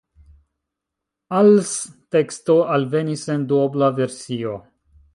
Als teksto alvenis en duobla versio.